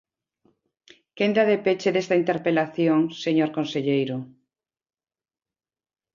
Quenda de peche desta interpelación, señor conselleiro.